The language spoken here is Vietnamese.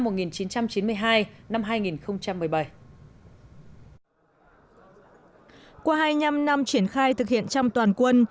qua hai mươi năm năm triển khai thực hiện trong toàn quân